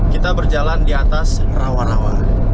kita berjalan di atas rawa rawa